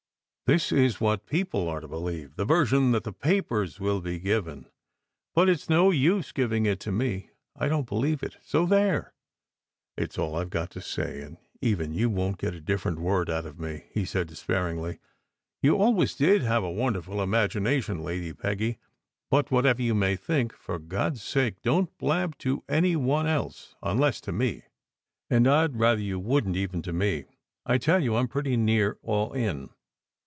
This is what people are to believe, the version that the papers will be given. But it s no use giving it to me. I don t believe it. So there !" "It s all I ve got to say, and even you won t get a dif ferent word out of me," he said despairingly. "You al ways did have a wonderful imagination, Lady Peggy, but whatever you may think, for God s sake don t blab to any one else, unless to me; and I d rather you wouldn t even to me. I tell you, I m pretty near all in."